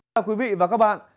chào quý vị và các bạn